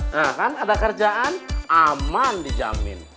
nah kan ada kerjaan aman dijamin